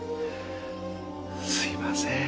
すいません。